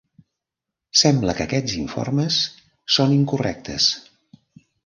Sembla que aquests informes són incorrectes.